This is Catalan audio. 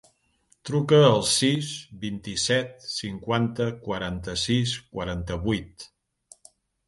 Truca al sis, vint-i-set, cinquanta, quaranta-sis, quaranta-vuit.